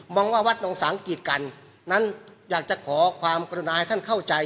ว่าวัดนงสังกีดกันนั้นอยากจะขอความกรุณาให้ท่านเข้าใจ